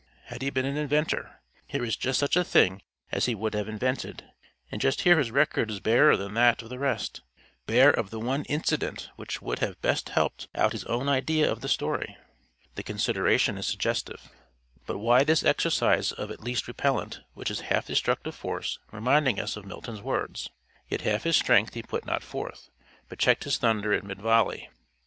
Had he been an inventor here is just such a thing as he would have invented; and just here his record is barer than that of the rest bare of the one incident which would have best helped out his own idea of the story. The consideration is suggestive. But why this exercise of at least repellent, which is half destructive force, reminding us of Milton's words Yet half his strength he put not forth, But checked His thunder in mid volley?